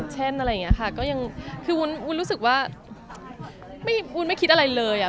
เช่นอะไรอย่างนี้ค่ะคือวุ้นรู้สึกว่าวุ้นไม่คิดอะไรเลยอะ